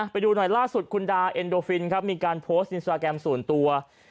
ไปดูหน่อยล่าสุดคุณดาเอ็นโดฟินครับมีการโพสต์อินสตราแกรมส่วนตัว